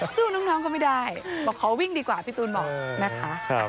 สู้น้องเขาไม่ได้บอกขอวิ่งดีกว่าพี่ตูนบอกนะคะ